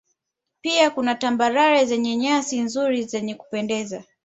Pia kuna Tambarare zenye nyasi nzuri zenye kupendeza